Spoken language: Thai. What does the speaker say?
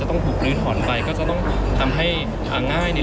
คุณต้องไปคุยกับทางเจ้าหน้าที่เขาหน่อย